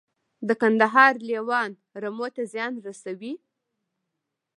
د کندهار لیوان رمو ته زیان رسوي؟